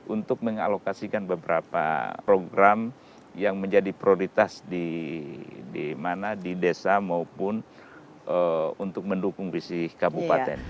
untuk mengalokasikan beberapa program yang menjadi prioritas di desa maupun untuk mendukung visi kabupaten